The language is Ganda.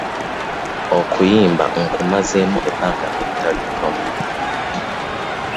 Okuyimba nkumazeemu ebbanga eritali ttono.